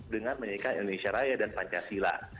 dengan menyanyikan indonesia raya dan pancasila